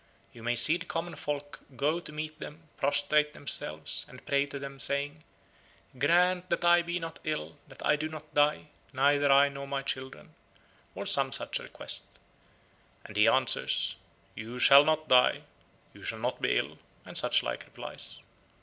You may see the common folk go to meet them, prostrate themselves, and pray to them, saying, 'Grant that I be not ill, that I do not die, neither I nor my children,' or some such request. And he answers, 'You shall not die, you shall not be ill,' and such like replies.